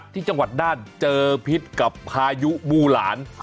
ที่จังหวัดน่านเจอพิษกับพายุบูหลาน